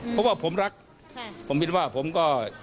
เพราะว่าผมรักผมคิดว่าผมก็